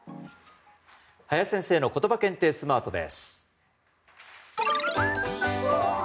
林先生のことば検定スマートです。